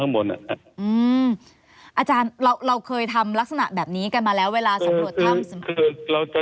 อาจารย์เราเคยทำลักษณะแบบนี้กันมาแล้วเวลาสำรวจถ้ำเราจะ